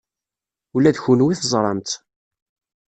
Ula d kenwi teẓram-tt.